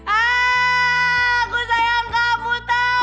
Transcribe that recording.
aku sayang kamu tau